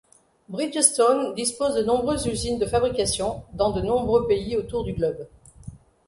Bridgestone dispose de nombreuses usines de fabrication dans de nombreux pays autour du globe.